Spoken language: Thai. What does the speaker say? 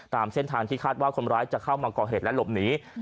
ตามเส้นทางที่คาดว่าคนร้ายจะเข้ามาก่อเหตุและหลบหนี